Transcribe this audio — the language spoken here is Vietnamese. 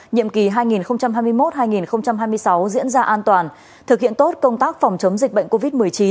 nhiệm kỳ hai nghìn hai mươi một hai nghìn hai mươi sáu diễn ra an toàn thực hiện tốt công tác phòng chống dịch bệnh covid một mươi chín